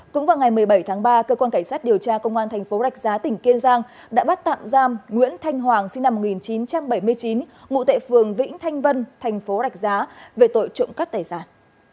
cũng vào ngày một mươi bảy tháng ba cơ quan cảnh sát điều tra công an thành phố rạch giá tỉnh kiên giang đã bắt tạm giam nguyễn thanh hoàng sinh năm một nghìn chín trăm bảy mươi chín ngụ tệ phường vĩnh thanh vân thành phố rạch giá về tội trộm cắt tài sản